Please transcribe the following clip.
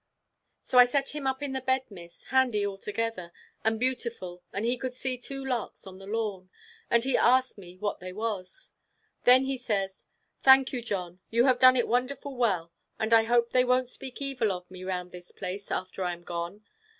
So I set him up in the bed, Miss, handy altogether, and beautiful, and he could see two larks on the lawn, and he asked me what they was. Then he says, 'Thank you, John, you have done it wonderful well, and I hope they won't speak evil of me round this place, after I am gone.